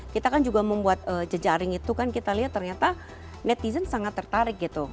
kita kan juga membuat jejaring itu kan kita lihat ternyata netizen sangat tertarik gitu